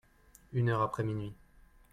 Une heure après minuit.